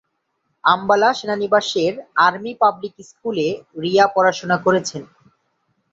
আম্বালা সেনানিবাসের 'army public স্কুলে' রিয়া পড়াশোনা করেছেন।